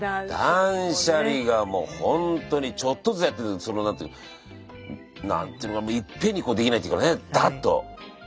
断捨離がもうほんとにちょっとずつやってるその何ていうの何ていうのかないっぺんにこうできないっていうかねダッと。